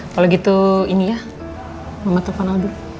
kalau gitu ini ya mama telfon al dulu